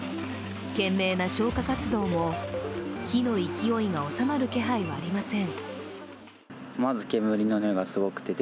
懸命な消火活動も火の勢いが収まる気配はありません。